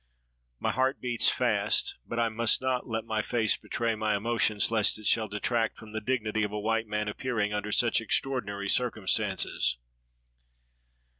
My heart beats fast, but I must not let my face betray my emotions, lest it shall detract from the dignity of a white man appearing under such extraordinary circum stances.